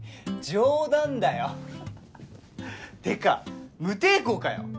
冗談だよってか無抵抗かよ！